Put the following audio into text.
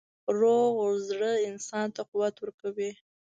روغ زړه انسان ته قوت ورکوي.